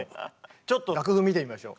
ちょっと楽譜見てみましょう。